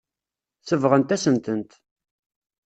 Sebɣent-asen-tent.